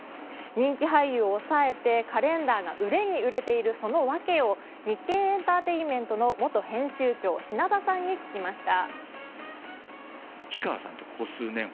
人気俳優を抑えてカレンダーが売れに売れているその訳を「日経エンタテインメント！」の元編集長、品田英雄さんに聞きました。